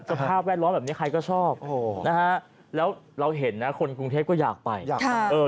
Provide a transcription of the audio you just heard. สภาพแวดล้อแบบนี้ใครก็ชอบเราเห็นนะคนกรุงเทพก็อยากไป